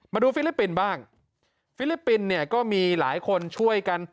ฟิลิปปินส์บ้างฟิลิปปินส์เนี่ยก็มีหลายคนช่วยกัน